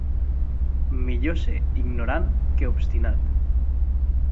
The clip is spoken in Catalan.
Millor ser ignorant que obstinat.